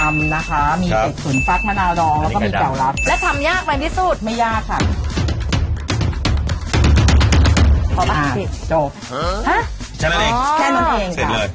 ไม่ต้องเลย